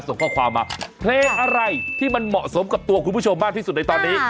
ส่งข้อความมาเพลงอะไรที่มันเหมาะสมกับตัวคุณผู้ชมมากที่สุดในตอนนี้